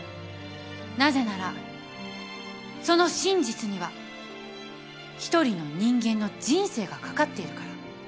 なぜならその真実には一人の人間の人生がかかっているから